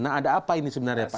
nah ada apa ini sebenarnya pak